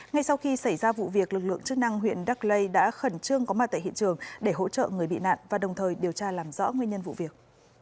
ngay sau khi xảy ra vụ việc lực lượng chức năng huyện đắc lây đã khẩn trương có mặt tại hiện trường để hỗ trợ người bị nạn và đồng thời điều tra làm rõ nguyên nhân vụ việc